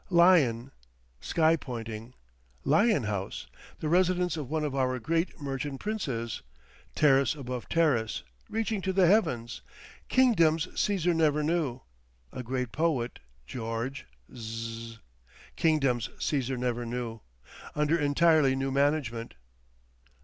Ilion. Sky pointing.... Ilion House, the residence of one of our great merchant princes.... Terrace above terrace. Reaching to the heavens.... Kingdoms Cæsar never knew.... A great poet, George. Zzzz. Kingdoms Cæsar never knew.... Under entirely new management.